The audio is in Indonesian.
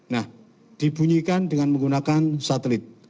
nah dibunyikan dengan menggunakan satelit